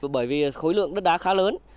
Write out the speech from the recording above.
bởi vì khối lượng đất đá khá lớn